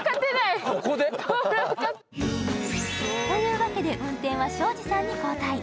というわけで、運転は庄司さんに交代。